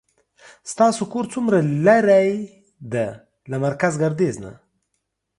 ستاسو کور څومره لری ده له مرکز ګردیز نه